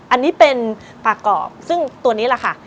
อันนี้เป็นปากกรอบซึ่งตัวนี้แหละค่ะ